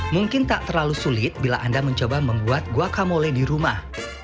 mungkin tak terlalu sulit bila anda mencoba membuat guacamole di rumah